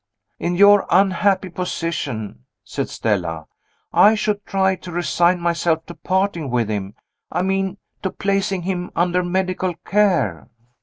"In your unhappy position," said Stella, "I should try to resign myself to parting with him I mean to placing him under medical care."